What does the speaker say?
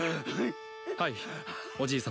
はい。